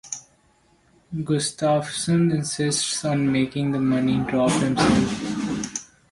Gustafson insists on making the money drop himself.